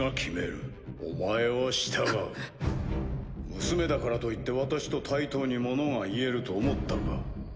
娘だからといって私と対等に物が言えると思ったか。